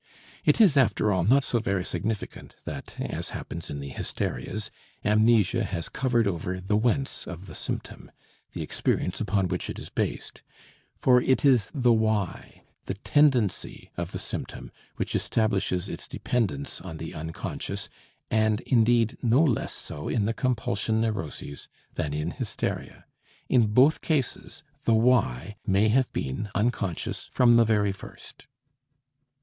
It is, after all, not so very significant that, as happens in the hysterias, amnesia has covered over the "whence" of the symptom, the experience upon which it is based; for it is the "why," the tendency of the symptom, which establishes its dependence on the unconscious, and indeed no less so in the compulsion neuroses than in hysteria. In both cases the "why" may have been unconscious from the very first.